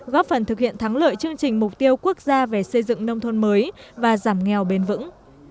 góp phần thực hiện thắng lợi chương trình mục tiêu quốc gia về xây dựng nông thôn mới và giảm nghèo bền vững